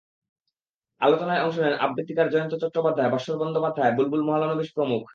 আলোচনায় অংশ নেন আবৃত্তিকার জয়ন্ত চট্টোপাধ্যায়, ভাস্বর বন্দ্যোপাধ্যায়, বুলবুল মহলানবিশ প্রমুখ।